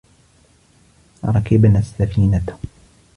ركبنا السفينة